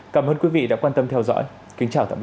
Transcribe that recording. cảm ơn quý vị đã quan tâm theo dõi kính chào tạm biệt quý vị